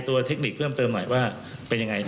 เทคนิคเพิ่มเติมหน่อยว่าเป็นยังไง